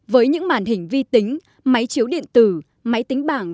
với những màn hình vi tính máy chiếu điện tử máy tính bảng